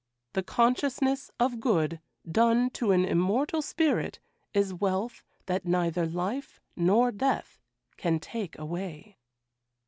The consciousness of good done to an immortal spirit is wealth that neither life nor death can take away.